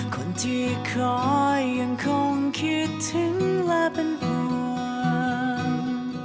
คนที่คอยยังคงคิดถึงและเป็นห่วง